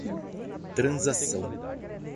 transação